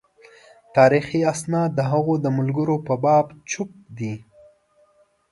تاریخي اسناد د هغه د ملګرو په باب چوپ دي.